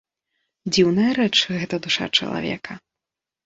Дзіўная рэч гэта душа чалавека!